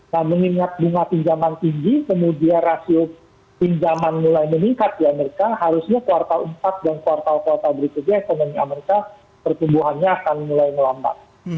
nah mengingat bunga pinjaman tinggi kemudian rasio pinjaman mulai meningkat di amerika harusnya kuartal empat dan kuartal kuartal berikutnya ekonomi amerika pertumbuhannya akan mulai melambat